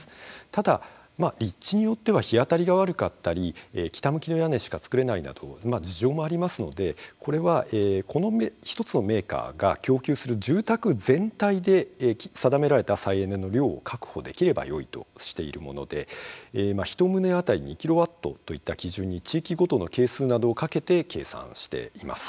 ただ、立地によっては日当たりが悪かったり北向きの屋根しか作れないなど事情もありますので、これはこの１つのメーカーが供給する住宅全体で定められた再エネの量を確保できればよいとしているもので１棟当たり２キロワットといった基準に、地域ごとの係数などを掛けて計算しています。